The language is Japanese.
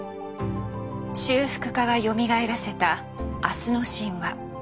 修復家がよみがえらせた「明日の神話」。